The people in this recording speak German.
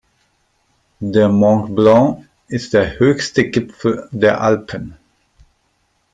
Der Mont Blanc ist der höchste Gipfel der Alpen.